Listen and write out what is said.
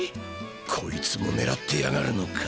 こいつもねらってやがるのか。